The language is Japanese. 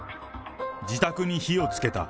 自宅に火をつけた。